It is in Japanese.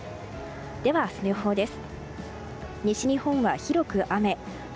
では、明日の予報です。